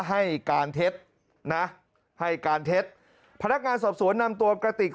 ให้การเทดพนักงานศอบสวนนำตัวกระติก